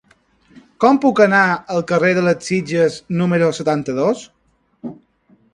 Com puc anar al carrer de les Sitges número setanta-dos?